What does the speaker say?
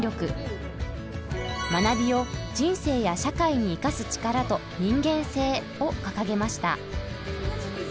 「学びを人生や社会に生かす力と人間性」を掲げました。